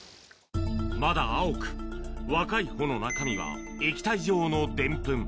まだ青く若い穂の中身は液体状のでんぷん。